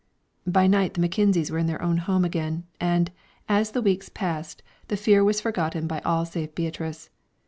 By night the Mackenzies were in their own home again, and, as the weeks passed, the fear was forgotten by all save Beatrice.